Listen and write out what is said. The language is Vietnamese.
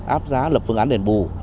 áp giá lập phương án đền bù